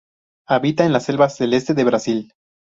Habita en selvas del este de Brasil.